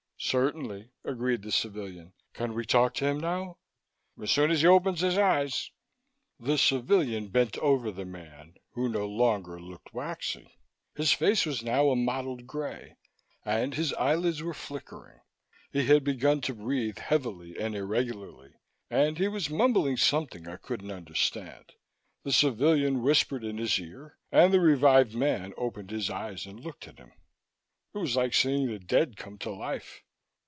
"Certainly," agreed the civilian. "Can we talk to him now?" "As soon as he opens his eyes." The civilian bent over the man, who no longer looked waxy. His face was now a mottled gray and his eyelids were flickering. He had begun to breathe heavily and irregularly, and he was mumbling something I couldn't understand. The civilian whispered in his ear and the revived man opened his eyes and looked at him. It was like seeing the dead come to life.